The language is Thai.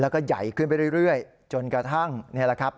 แล้วก็ใหญ่ขึ้นไปเรื่อยจนกระทั่งนี่แหละครับ